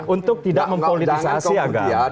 untuk tidak mempolitisasi agar